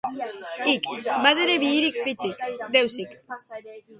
Ik. batere, bihirik, fitsik? Deusik.